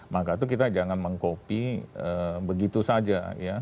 maka itu kita jangan mengkopi begitu saja ya